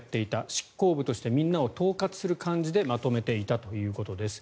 執行部としてみんなを統括する感じでまとめていたということです。